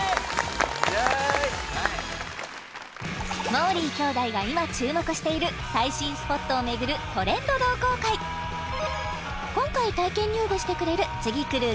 もーりー兄弟が今注目している最新スポットを巡るトレンド同好会今回体験入部してくれる次くる！